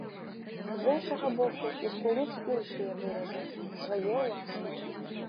З іншага боку, існуюць іншыя выразы, свае ўласныя.